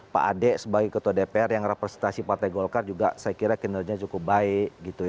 pak ade sebagai ketua dpr yang representasi partai golkar juga saya kira kinerjanya cukup baik